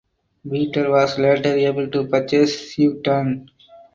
Peter was later able to purchase Chewton.